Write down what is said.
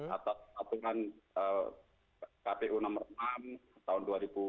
atas aturan kpu nomor enam tahun dua ribu dua puluh